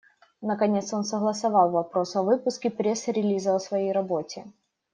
Наконец, он согласовал вопрос о выпуске пресс-релиза о своей работе.